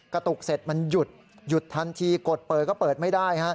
กระตุกเสร็จมันหยุดหยุดทันทีกดเปิดก็เปิดไม่ได้